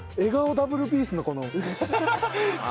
ダブルピースのこの。